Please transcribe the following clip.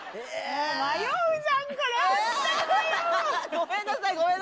迷うじゃんかよ。